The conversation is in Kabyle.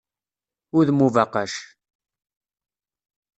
Udem ubaqac.